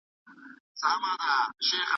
آيا تاسو د يوازيتوب احساس کوئ؟